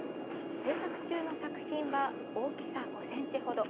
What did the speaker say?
制作中の作品は大きさ５ｃｍほど。